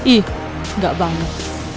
ih gak banget